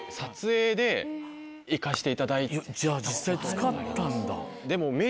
じゃあ実際使ったんだ。